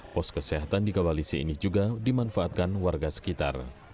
pos kesehatan di kawalisi ini juga dimanfaatkan warga sekitar